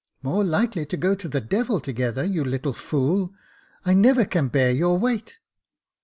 *' More likely to go to the devil together, you little fool ; I never can bear your weight.